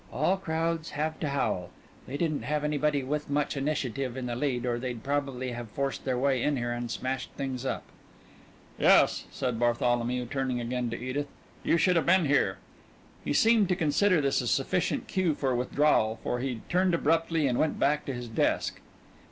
"All crowds have to howl. They didn't have anybody with much initiative in the lead, or they'd probably have forced their way in here and smashed things up." "Yes," said Bartholomew, turning again to Edith, "you should have been here." He seemed to consider this a sufficient cue for withdrawal, for he turned abruptly and went back to his desk.